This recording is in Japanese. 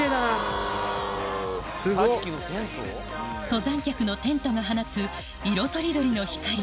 登山客のテントが放つ色とりどりの光